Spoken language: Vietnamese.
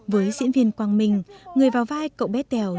với diễn viên quang minh người vào vai cậu bé tèo